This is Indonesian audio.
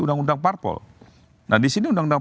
undang undang parpol nah disini undang undang